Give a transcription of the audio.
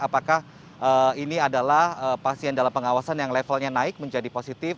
apakah ini adalah pasien dalam pengawasan yang levelnya naik menjadi positif